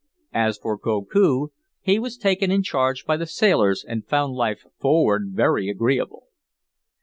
As for Koku he was taken in charge by the sailors and found life forward very agreeable.